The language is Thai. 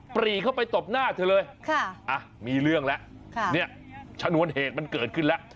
ปรีเข้าไปตบหน้าเธอเลยมีเรื่องแล้วเนี่ยชนวนเหตุมันเกิดขึ้นแล้ว